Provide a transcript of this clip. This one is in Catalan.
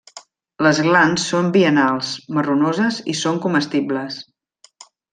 Les glans són biennals, marronoses i són comestibles.